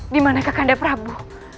di manakah kakak andaprabu